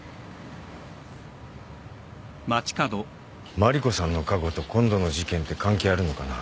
麻里子さんの過去と今度の事件って関係あるのかな？